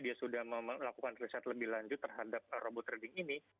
dia sudah melakukan riset lebih lanjut terhadap robot trading ini